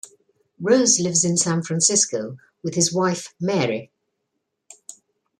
Rose lives in San Francisco with his wife Mary.